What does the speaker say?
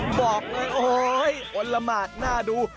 บอกเลยโอ๊ยอดละหมาดน่าดู